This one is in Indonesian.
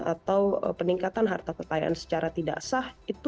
atau peningkatan harta kekayaan secara tidak terlalu tinggi gitu